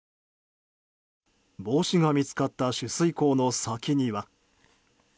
帽子が見つかった取水口の先には。